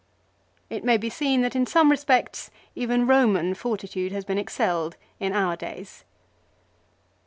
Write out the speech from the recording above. It may be seen that in some respects even Eoman fortitude has been excelled in our days.